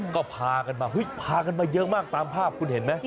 ก็พากันมาพากันมาเยอะมากตามภาพคุณเห็นไหม